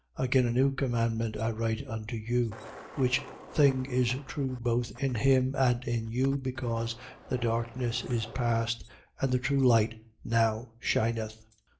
2:8. Again a new commandment I write unto you: which thing is true both in him and in you, because the darkness is passed and the true light now shineth.